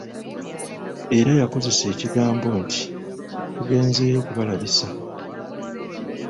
Era yakozesa ekigambo nti tugenzeeyo ‘kubalabisa.'